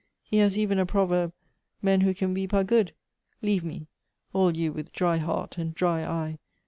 He has even a proverb, ' Men who can weep are good.' Leave me, all you with dry heart and dry eye.